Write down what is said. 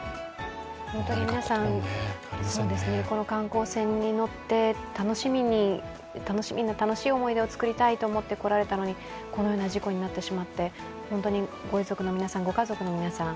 皆さん、この観光船に乗って楽しい思い出を作りたいと思って来られたのにこのような事故になってしまって、ご遺族の皆さん、ご家族の皆さん